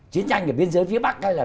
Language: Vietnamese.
chiến tranh ở biên giới phía bắc hay là